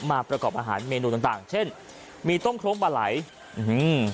มาประกอบอาหารเมนูต่างต่างเช่นมีต้มโครมบาไหลอืม